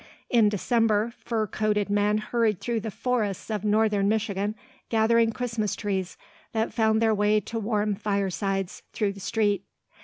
In December, fur coated men hurried through the forests of northern Michigan gathering Christmas trees that found their way to warm firesides through the street.